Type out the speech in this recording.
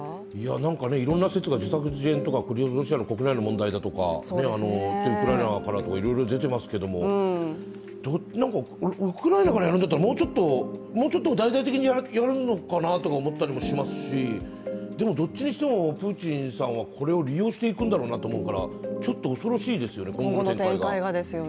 なんかいろんな説が自作自演とか、ロシアの国内の問題だとか、ウクライナからとかいろいろ出てますけども、なんかウクライナからやるんだったらもうちょっと大々的にやるのかなと思ったりもしますしでもどっちにしてもプーチンさんはこれを利用していくんだろうなと思いますしちょっと恐ろしいですよね、今後の展開が。